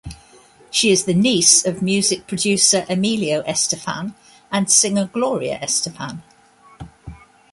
She is the niece of music producer Emilio Estefan and singer Gloria Estefan.